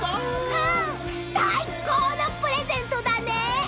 ［うん！最高のプレゼントだね！］